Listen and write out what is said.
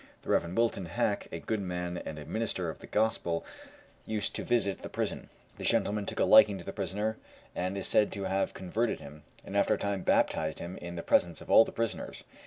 The Rev. Wilton Hack, a good man and a minister of the gospel, used to visit the prison. This gentleman took a liking to the prisoner, and is said to have converted him, and after a time baptized him in the presence of all the prisoners.